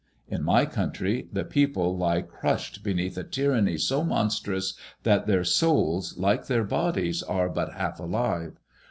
In my country the MADBMOISBIXB IXS. I35 people lie crushed beneath a tyranny so monstrous that theur soulSy like their bodies, are but half alive.